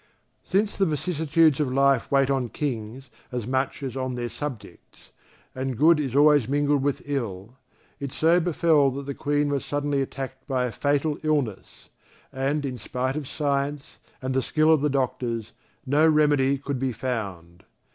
Since the vicissitudes of life wait on Kings as much as on their subjects, and good is always mingled with ill, it so befell that the Queen was suddenly attacked by a fatal illness, and, in spite of science, and the skill of the doctors, no remedy could be found.